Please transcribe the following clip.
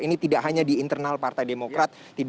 ini tidak hanya di internal partai demokrat